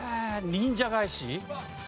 忍者返し？